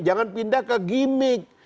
jangan pindah ke gimmick